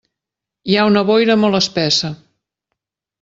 Hi ha una boira molt espessa.